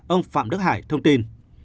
ông phạm đức hải thông tin